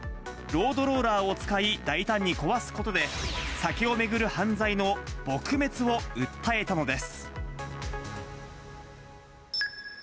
ロードローラーを使い、大胆に壊すことで、酒を巡る犯罪の撲滅を訴えたのです。